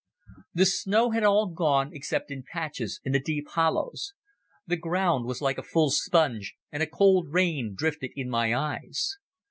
The snow had all gone, except in patches in the deep hollows. The ground was like a full sponge, and a cold rain drifted in my eyes.